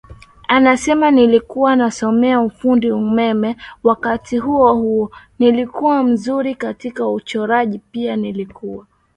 anasemaNilikuwa nasomea Ufundi Umeme wakati huo huo nilikuwa mzuri katika uchoraji Pia nilikuwa